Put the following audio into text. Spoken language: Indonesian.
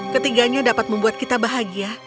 ketiganya dapat membuat kita bahagia